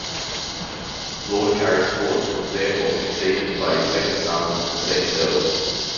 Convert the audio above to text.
Lord Carysfort was therefore succeeded by his second son, the second Earl.